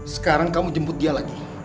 sekarang kamu jemput dia lagi